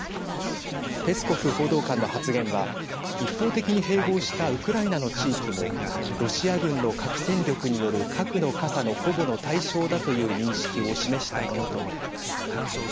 ペスコフ報道官の発言は一方的に併合したウクライナの地域もロシア軍の核戦力による核の傘の保護の対象だという認識を示したものと見られます。